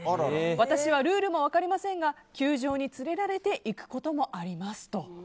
私はルールも分かりませんが球場に連れられて行くこともありますと。